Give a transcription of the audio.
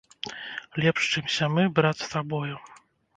Лепш, чымся мы, брат, з табою!